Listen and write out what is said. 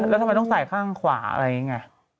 แล้วทำไมต้องใส่ข้างขวาอะไรอย่างนี้ไง